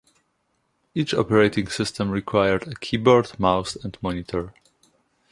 Each operating system required a keyboard, mouse and monitor.